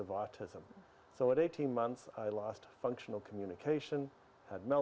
seperti menggunakan gambar atau bahasa sign